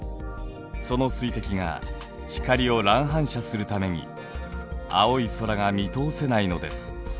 その水滴が光を乱反射するために青い空が見通せないのです。